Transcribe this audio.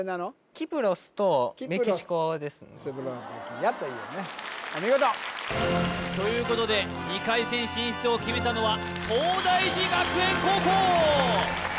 キプロスとメキシコですねスロバキアというねお見事ということで２回戦進出を決めたのは東大寺学園高校！